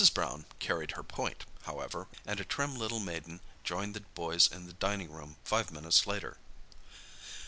Brown carried her point, however, and a trim little maiden joined the boys in the dining room five minutes later.